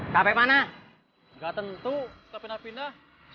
laporan kamu sudah tahu